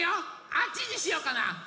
あっちにしようかな？